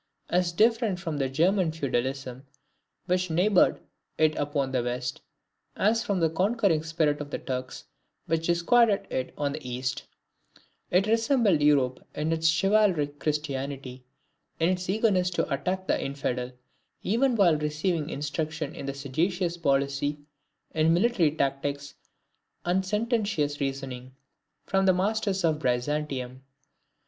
As different from the German feudalism which neighboured it upon the West, as from the conquering spirit of the Turks which disquieted it on the East, it resembled Europe in its chivalric Christianity, in its eagerness to attack the infidel, even while receiving instruction in sagacious policy, in military tactics, and sententious reasoning, from the masters of Byzantium.